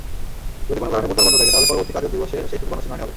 যদি কোনো কারণে বুধবার বন্ধ থাকে, তাহলে পরবর্তী কার্যদিবসে সেই গণশুনানি হবে।